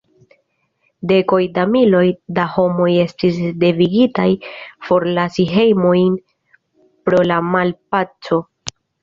Dekoj da miloj da homoj estis devigitaj forlasi hejmojn pro la malpaco.